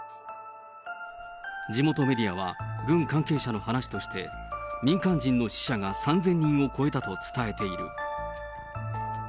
地元メディアは、軍関係者の話として、民間人の死者が３０００人を超えたと伝えている。